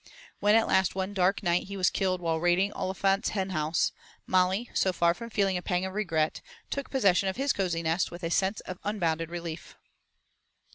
When at last one dark night he was killed while raiding Olifant's henhouse, Molly, so far from feeling a pang of regret, took possession of his cosy nest with a sense of unbounded relief.